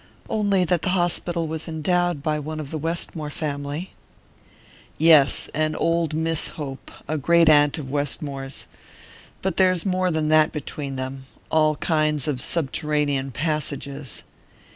"Only that the hospital was endowed by one of the Westmore family." "Yes; an old Miss Hope, a great aunt of Westmore's. But there is more than that between them all kinds of subterranean passages."